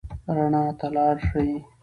رڼا ته لاړ شئ.